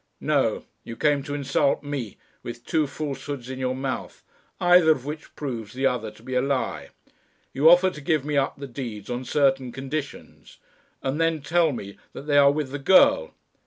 "No; you came to insult me, with two falsehoods in your mouth, either of which proves the other to be a lie. You offer to give me up the deeds on certain conditions, and then tell me that they are with the girl!